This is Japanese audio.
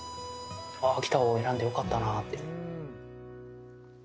ああ、秋田を選んでよかったなって。